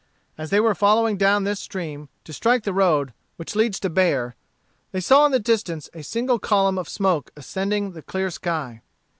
As they were following down this stream, to strike the road which leads to Bexar, they saw in the distance a single column of smoke ascending the clear sky.